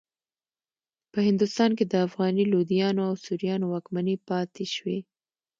په هندوستان کې د افغاني لودیانو او سوریانو واکمنۍ پاتې شوې.